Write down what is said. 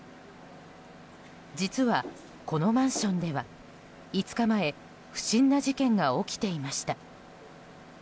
実はこのマンションでは、５日前不審な事件が起きていました。